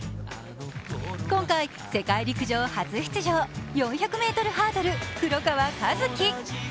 今回、世界陸上初出場、４００ｍハードル、黒川和樹。